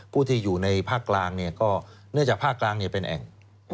ผู้ที่อยู่ในภาคกลางก็เนื่องจากภาคกลางเป็นแอ่ง